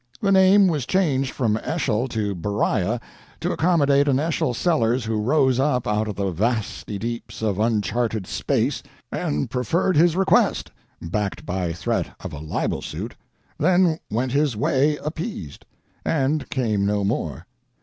The name was changed from Eschol to Beriah to accommodate an Eschol Sellers who rose up out of the vasty deeps of uncharted space and preferred his request—backed by threat of a libel suit—then went his way appeased, and came no more.